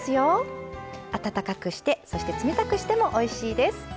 温かくしてそして冷たくしてもおいしいです。